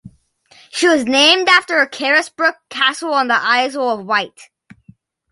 She was named after Carisbrooke Castle on the Isle of Wight.